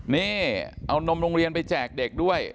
นี่เอานมโรงเรียนไปแจกเด็กด้วย